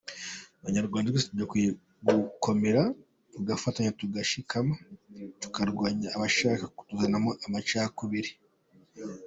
Abanyarwanda twese dukwiye gufatanya tugakomera, tugashikama, tukarwanya abashaka tuzunamo amacakubiri.